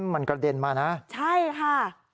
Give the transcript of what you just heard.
มันกระเด็นมานะใช่ค่ะ